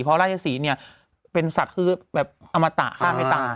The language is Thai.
เพราะราชศรีเนี่ยเป็นสัตว์คือแบบอมตะฆ่าเมตตา